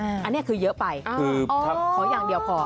อันเนี่ยคือเยอะไปคือถ้าอ๋อขออย่างเดียวพอ